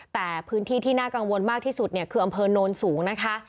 แต่พื้นที่ที่น่ากังวลมากที่สุดเนี่ยคืออำเภอโนนสูงนะคะ